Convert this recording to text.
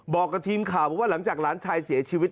บอกกับทีมข่าวบอกว่าหลังจากหลานชายเสียชีวิต